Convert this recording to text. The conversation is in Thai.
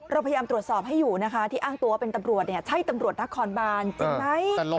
เราพยายามตรวจสอบให้อยู่นะคะที่อ้างตัวเป็นตำรวจใช่ตำรวจนครบานจริงไหม